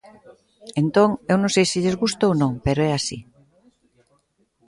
Entón, eu non sei se lles gusta ou non, pero é así.